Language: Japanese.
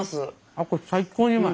あっこれ最高にうまい。